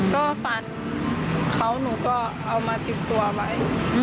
ก็ฟันเขาหนูก็เอามาติดตัวไว้